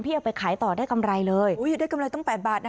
เอาไปขายต่อได้กำไรเลยอุ้ยได้กำไรตั้ง๘บาทนะ